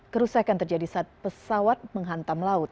kerusakan terjadi saat pesawat menghantam laut